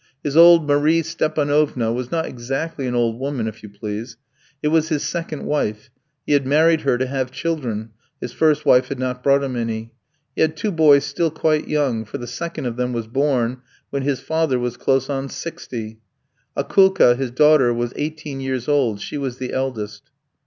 His old Marie Stépanovna was not exactly an old woman, if you please; it was his second wife; he had married her to have children, his first wife had not brought him any. He had two boys still quite young, for the second of them was born when his father was close on sixty; Akoulka, his daughter, was eighteen years old, she was the eldest."